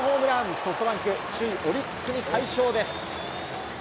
ソフトバンク、首位オリックスに快勝です。